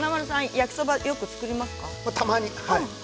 焼きそば作りますか？